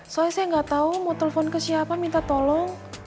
soalnya saya nggak tahu mau telepon ke siapa minta tolong